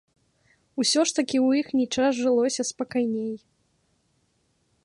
Усё ж такі ў іхні час жылося спакайней!